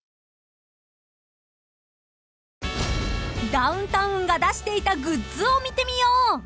［ダウンタウンが出していたグッズを見てみよう］